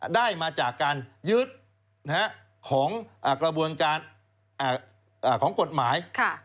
ได้มาจากการยึดของกระบวนการของกฎหมาย